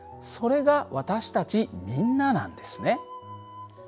それが私たちみんななんですね。